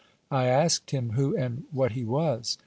I asked him who and what he was.